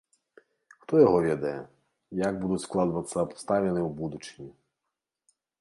Хто яго ведае, як будуць складвацца абставіны ў будучыні.